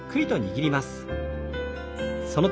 はい。